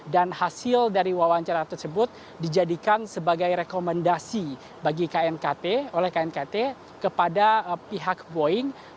dan hasil dari wawancara tersebut dijadikan sebagai rekomendasi oleh knkt kepada pihak boeing